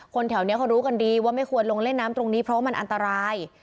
แถวนี้เขารู้กันดีว่าไม่ควรลงเล่นน้ำตรงนี้เพราะว่ามันอันตราย